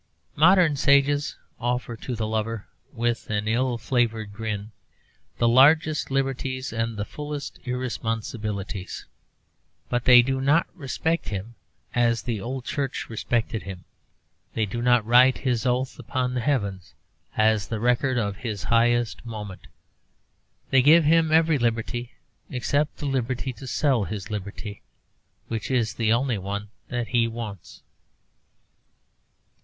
Modern sages offer to the lover, with an ill flavoured grin, the largest liberties and the fullest irresponsibility; but they do not respect him as the old Church respected him; they do not write his oath upon the heavens, as the record of his highest moment. They give him every liberty except the liberty to sell his liberty, which is the only one that he wants.